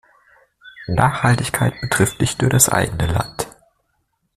Nachhaltigkeit betrifft nicht nur das eigene Land.